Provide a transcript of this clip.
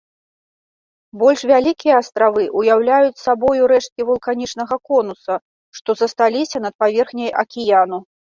Больш вялікія астравы ўяўляюць сабою рэшткі вулканічнага конуса, што засталіся над паверхняй акіяну.